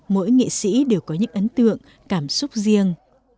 mỗi nghệ sĩ đều có những ấn tượng cảm xúc riêng